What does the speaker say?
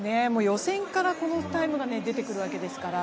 予選からこのタイムが出てくるわけですから。